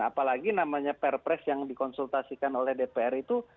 apalagi namanya perpres yang dikonsultasikan oleh dpr itu